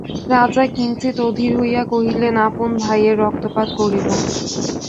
রাজা কিঞ্চিৎ অধীর হইয়া কহিলেন, আপন ভাইয়ের রক্তপাত করিব!